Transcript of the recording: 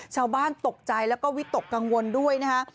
ชาวบ้านตกใจแล้วก็วิตกกังวลด้วยนะฮะ